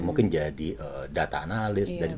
mungkin jadi data analis